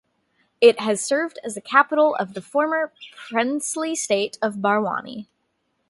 It has served as the capital of the former princely state of Barwani.